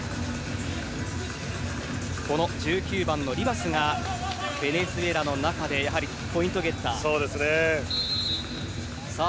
この１９番のリバスがベネズエラの中でやはりポイントゲッター。